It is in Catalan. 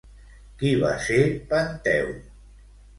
Qui va ser Penteu?